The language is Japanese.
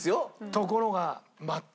ところが。